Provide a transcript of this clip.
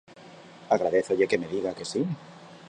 Agradézolle que me diga que si.